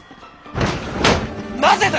なぜだ！